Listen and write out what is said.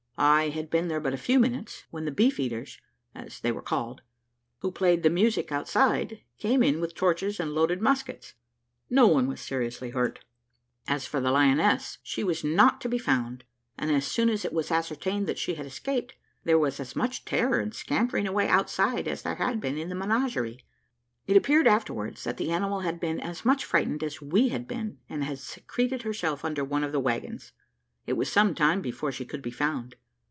I had been there but a few minutes, when the beef eaters, as they were called, who played the music outside, came in with torches and loaded muskets. No one was seriously hurt. As for the lioness, she was not to be found and as soon as it was ascertained that she had escaped, there was as much terror and scampering away outside, as there had been in the menagerie. It appeared afterwards, that the animal had been as much frightened as we had been, and had secreted herself under one of the waggons. It was some time before she could be found.